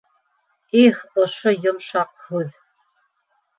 Их, ошо йомшаҡ һүҙ!